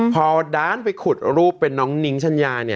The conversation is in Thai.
พอด้านไปขุดรูปเป็นน้องนิ้งชัญญา